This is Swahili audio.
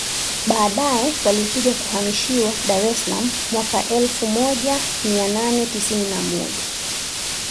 Baadae yalikuja kuhamishiwa Dar es salaam mwaka elfu moja mia nane tisini na moja